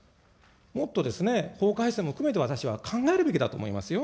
もっと法改正も含めて、私は考えるべきだと思いますよ。